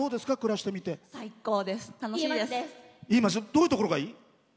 どういうところがいい？